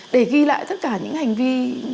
để ghi lại tất cả những hành vi